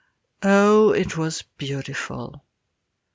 Oh, it was beautiful!